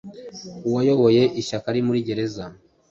uwayoboye ishyaka ari muri gereza